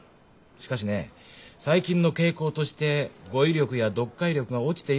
しかしね最近の傾向として語彙力や読解力が落ちているのも事実なんだよ。